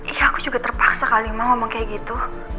iya aku juga terpaksa kali mau ngomong kayak gitu